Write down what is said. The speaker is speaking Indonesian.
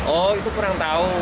oh itu kurang tau